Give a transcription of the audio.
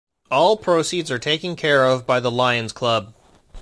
All proceeds are taken care of by the Lions Club.